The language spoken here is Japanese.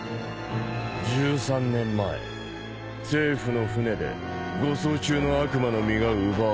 １３年前政府の船で護送中の悪魔の実が奪われた。